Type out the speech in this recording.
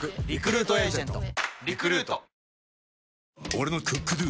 俺の「ＣｏｏｋＤｏ」！